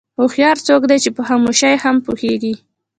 هوښیار څوک دی چې په خاموشۍ کې هم پوهېږي.